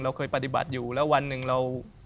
เคยปฏิบัติอยู่แล้ววันหนึ่งเรา